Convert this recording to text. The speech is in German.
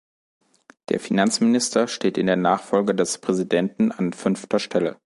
Der Finanzminister steht in der Nachfolge des Präsidenten an fünfter Stelle.